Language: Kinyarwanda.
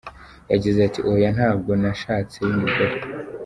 Yagize ati “Oya, ntabwo nashatseyo umugore.